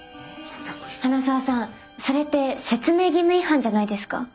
花澤さんそれって説明義務違反じゃないですか？